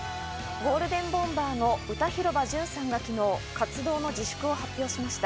ゴールデンボンバーの歌広場淳さんが昨日、活動の自粛を発表しました。